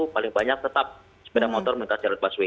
paling banyak tetap sepeda motor minta jalur busway